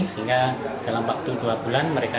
sehingga dalam waktu dua bulan mereka